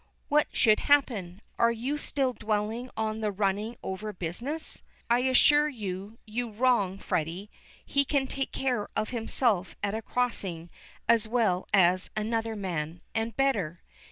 "What should happen? Are you still dwelling on the running over business? I assure you you wrong Freddy. He can take care of himself at a crossing as well as another man, and better.